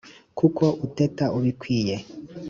kuko uteta ubikwiye,